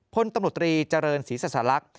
พตรเจริญศรีษรรักษ์